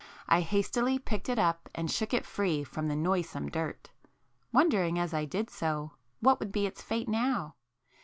I hastily picked it up and shook it free from the noisome dirt, wondering as I did so, what would be its fate now?